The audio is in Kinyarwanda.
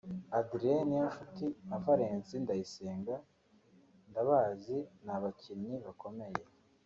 Adrien (Niyonshuti) na Valens (Ndayisenga) ndabazi ni abakinnyi bakomeye